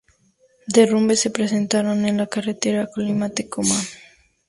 Derrumbes se presentaron en la carretera Colima-Tecomán.